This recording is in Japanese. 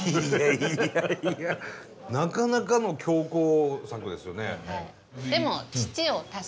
いやいやなかなかの強行策ですよね。